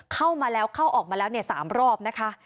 เข้ามาแล้วเข้าออกมาแล้ว๓รอบนะคะ